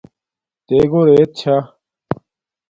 تے گھور ایت چھا